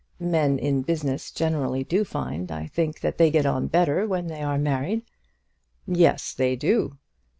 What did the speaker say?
Men in business generally do find, I think, that they get on better when they are married." "Yes, they do."